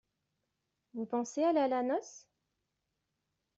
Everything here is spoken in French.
Vous pensez aller à la noce ?